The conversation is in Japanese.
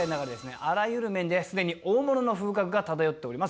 あらゆる面ですでに大物の風格が漂っております。